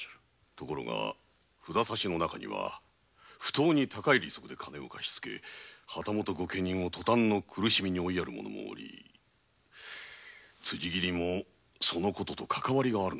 ところが札差の中には不当に高い利息で貸し付け旗本御家人を塗炭の苦しみに追いやる者もあり辻斬りもその事とかかわりあるのでは。